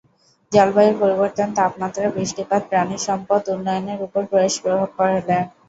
জলবায়ুর পরিবর্তন, তাপমাত্রা, বৃষ্টিপাত প্রাণিসম্পদ উন্নয়নের ওপর বেশ প্রভাব ফেলে।